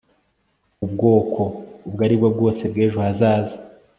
ubwoko ubwo aribwo bwose bw'ejo hazaza